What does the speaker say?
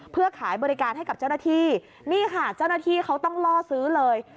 เพื่อขายบริการให้กับเจ้าหน้าที่นี่ค่ะเจ้าหน้าที่เขาต้องล่อซื้อเลย